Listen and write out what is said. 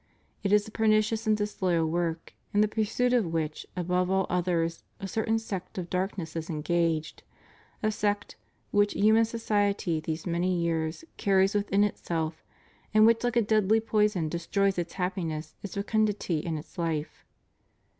It is a pernicious and disloyal work, in the pursuit of which above all others a certain sect of darkness is engaged, a sect which human society these many years carries within itself and which like a deadly poison destroys its happiness, its fecundity, and its Ufe.